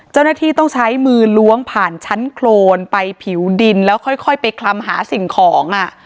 เจ้าหน้าที่ต้องใช้มือล้วงผ่านชั้นโครนไปผิวดินแล้วค่อยไปคลำหาสิ่งของ